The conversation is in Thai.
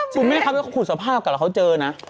กลุ่นไม่ถามว่าขุดสัมภาพก่อนเขาเจอนะ